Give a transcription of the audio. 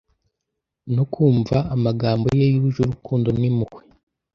no kumva amagambo ye yuje urukundo n'impuhwe,